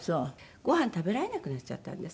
ごはん食べられなくなっちゃったんです。